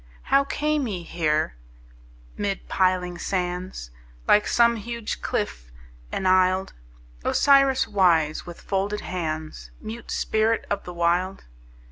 How came he here mid piling sands, Like some huge cliff enisled, Osiris wise, with folded hands, Mute spirit of the Wild?